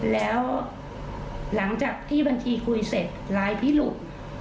แล้วหลังจากที่บัญชีคุยเสร็จไลน์พี่หลุด